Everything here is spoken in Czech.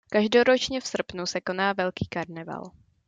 Každoročně v srpnu se koná velký karneval.